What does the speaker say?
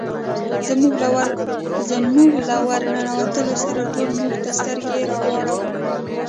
زموږ له ور ننوتلو سره ټولو موږ ته سترګې را واړولې.